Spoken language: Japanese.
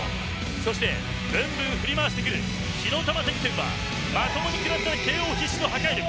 そして、ぶんぶん振り回してくる火の玉鉄拳はまともに食らったらＫＯ必至の破壊力。